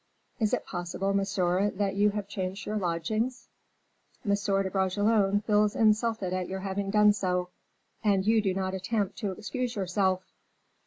Is it possible, monsieur, that you have changed your lodgings? M. de Bragelonne feels insulted at your having done so, and you do not attempt to excuse yourself."